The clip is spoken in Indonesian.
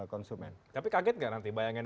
konsumen tapi kaget nggak nanti bayangin